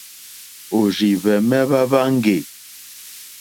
Òrzìhwɛ̀mɛ́́ hwá hwáŋɡè.